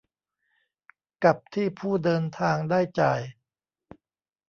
กับที่ผู้เดินทางได้จ่าย